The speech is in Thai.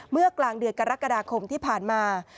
เมื่อกลางเดือนกรกฎาคมที่ผ่านมา